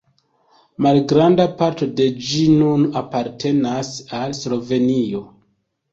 Malgranda parto de ĝi nun apartenas al Slovenio.